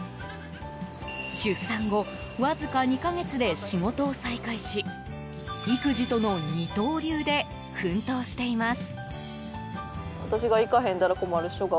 出産後わずか２か月で仕事を再開し育児との二刀流で奮闘しています。